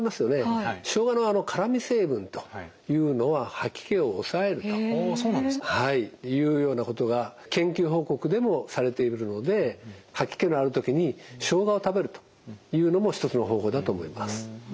しょうがの辛み成分というのは吐き気を抑えるというようなことが研究報告でもされているので吐き気のある時にしょうがを食べるというのも一つの方法だと思います。